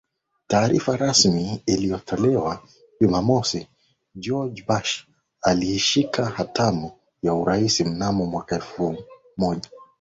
taarifa rasmi iliyotolewa JumamosiGeorge Bush alishika hatamu ya urais mnamo mwaka elfu moja